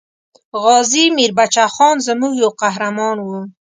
غازي میر بچه خان زموږ یو قهرمان وو.